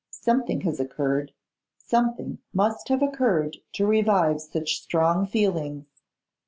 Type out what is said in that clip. Something has occurred; something must have occurred to revive such strong feelings.